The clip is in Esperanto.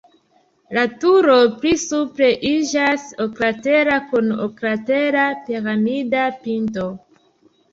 La turo pli supre iĝas oklatera kun oklatera piramida pinto.